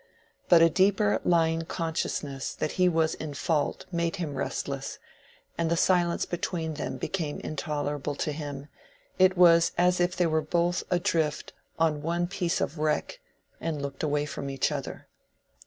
But a deeper lying consciousness that he was in fault made him restless, and the silence between them became intolerable to him; it was as if they were both adrift on one piece of wreck and looked away from each other.